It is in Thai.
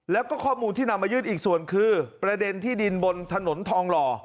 แล้วก็ข้อมูลที่นำมายื่นอีกส่วนคือประเด็นที่ดินบนถนนทองหล่อ